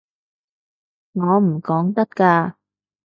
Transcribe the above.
我唔講得㗎